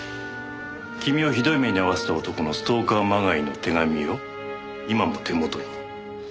君をひどい目に遭わせた男のストーカーまがいの手紙を今も手元に？